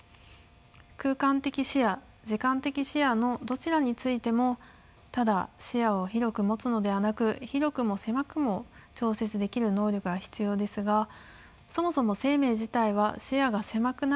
空間的視野時間的視野のどちらについてもただ視野を広く持つのではなく広くも狭くも調節できる能力が必要ですがそもそも生命自体は視野が狭くなるようにできています。